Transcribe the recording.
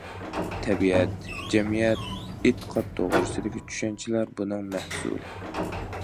تەبىئەت، جەمئىيەت، ئېتىقاد توغرىسىدىكى چۈشەنچىلەر بۇنىڭ مەھسۇلى.